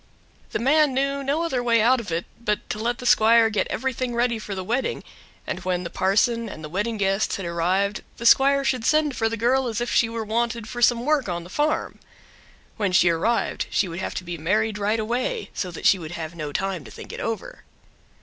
The man knew no other way out of it but to let the squire get everything ready for the wedding; and when the parson and the wedding guests had arrived the squire should send for the girl as if she were wanted for some work on the farm. When she arrived she would have to be married right away, so that she would have no time to think it over.